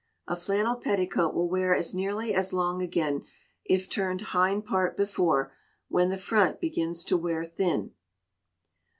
A flannel petticoat will wear as nearly as long again, if turned hind part before, when the front begins to wear thin.